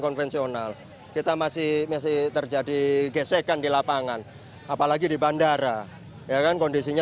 konvensional kita masih masih terjadi gesekan di lapangan apalagi di bandara ya kan kondisinya